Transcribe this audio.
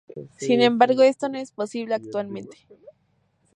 Sin embargo, esto no es posible actualmente.